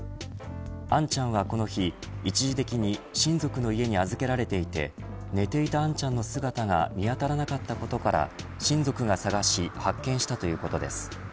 杏ちゃんはこの日、一時的に親族に預けられていて寝ていた杏ちゃんの姿が見当たらなかったことから親族が捜し発見したということです。